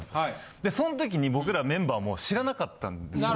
でそん時に僕らメンバーも知らなかったんですよ